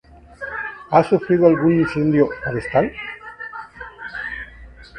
Ha sufrido algún incendio forestal.